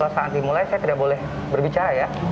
saat dimulai saya tidak boleh berbicara ya